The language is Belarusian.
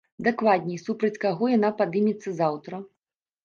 Дакладней, супраць каго яна падымецца заўтра.